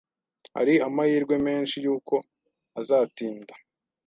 Hari amahirwe menshi yuko azatinda.